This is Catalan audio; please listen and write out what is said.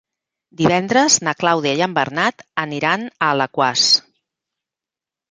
Divendres na Clàudia i en Bernat aniran a Alaquàs.